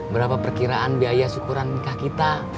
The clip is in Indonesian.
berapa perkiraan biaya syukuran nikah kita